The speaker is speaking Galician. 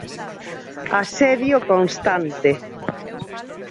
Asedio constante.